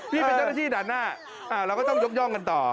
พี่เป็นเจ้าหน้าที่ด่านหน้าเราก็ต้องยกย่องกันต่อ